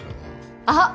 あっ！